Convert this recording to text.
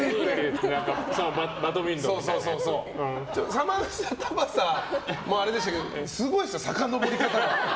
サマンサタバサもあれでしたけどすごいですよ、さかのぼり方が。